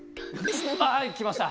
はい来ました！